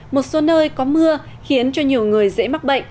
một số nơi có mưa khiến cho nhiều người dễ mắc bệnh